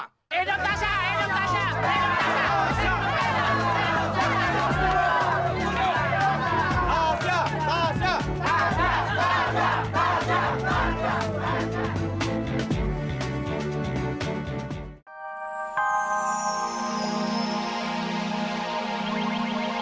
hidup tasya hidup tasya